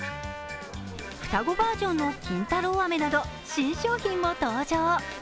双子バージョンの金太郎飴など新商品も登場。